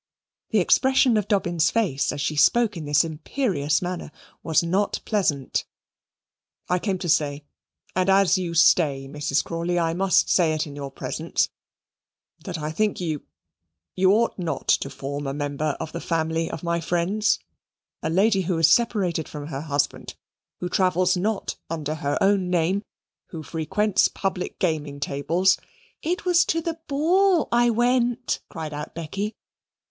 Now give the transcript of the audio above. The expression of Dobbin's face, as she spoke in this imperious manner, was not pleasant. "I came to say and as you stay, Mrs. Crawley, I must say it in your presence that I think you you ought not to form a member of the family of my friends. A lady who is separated from her husband, who travels not under her own name, who frequents public gaming tables " "It was to the ball I went," cried out Becky.